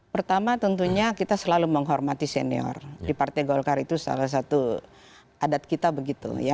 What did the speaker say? pertama tentunya kita selalu menghormati senior di partai golkar itu salah satu adat kita begitu ya